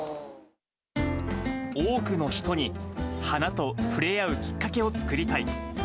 多くの人に花と触れ合うきっかけを作りたい。